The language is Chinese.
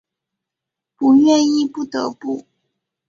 不愿意不得不